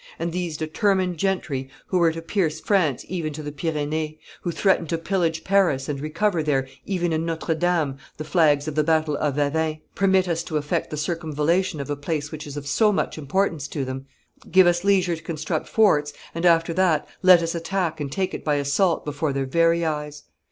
And these determined gentry, who were to pierce France even to the Pyrenees, who threatened to pillage Paris, and recover there, even in Notre Dame, the flags of the battle of Avein, permit us to effect the circumvallation of a place which is of so much importance to them, give us leisure to construct forts, and, after that, let us attack and take it by assault before their very eyes.